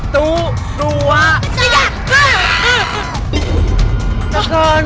terima kasih mama an